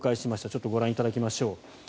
ちょっとご覧いただきましょう。